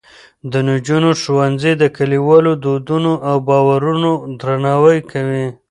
د نجونو ښوونځي د کلیوالو دودونو او باورونو درناوی کوي.